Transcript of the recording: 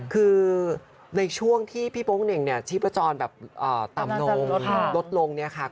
คือในช่วงที่พี่โป้งเหน่งชีพจรแบบต่ำนงลดลงค่ะ